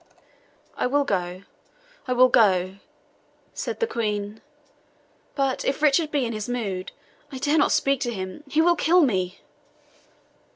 "I will go I will go," said the Queen; "but if Richard be in his mood, I dare not speak to him he will kill me!"